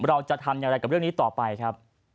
เราจะทำอย่างไรกับเรื่องนี้ต่อไปครับ